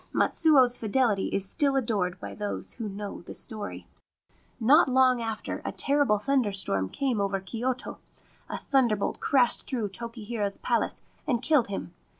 Matsuo's fidelity is still adored by those who know the story. Ancient Tales and Folklore of Japan Not long after a terrible thunderstorm came over Kyoto. A thunderbolt crashed through Tokihira's palace and killed him.